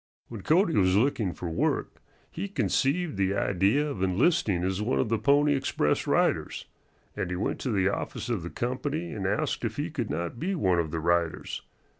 When Cody was looking for work he conceived the idea of enlisting as one of the Pony Express riders, and he went to the office of the company and asked if he could not be one of the riders.